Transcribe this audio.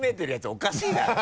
おかしいだろ！